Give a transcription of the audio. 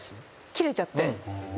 切れちゃって。